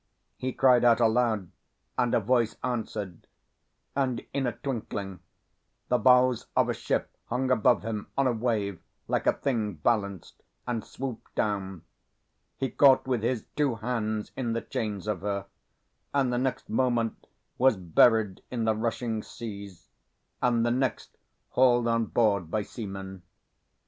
He cried out aloud and a voice answered; and in a twinkling the bows of a ship hung above him on a wave like a thing balanced, and swooped down. He caught with his two hands in the chains of her, and the next moment was buried in the rushing seas, and the next hauled on board by seamen.